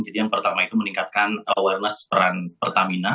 jadi yang pertama itu meningkatkan awareness peran pertamina